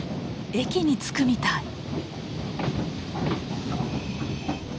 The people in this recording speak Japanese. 駅に着くみたい。